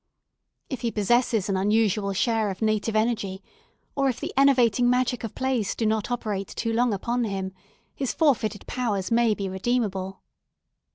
If he possesses an unusual share of native energy, or the enervating magic of place do not operate too long upon him, his forfeited powers may be redeemable.